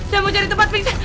saya mau cari tempat fisik